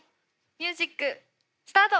ミュージックスタート！